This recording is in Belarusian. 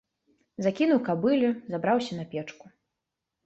Закінуў кабыле, забраўся на печку.